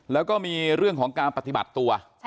แล้วก็มีเรื่องของการปฏิบัติตัว